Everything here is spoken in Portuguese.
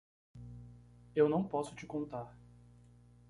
Eu não posso te contar.